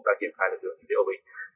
đã kiềm khai lực lượng giữa hòa bình